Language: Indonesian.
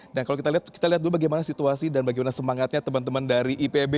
dan kalau kita lihat dulu bagaimana situasi dan bagaimana semangatnya teman teman dari ipb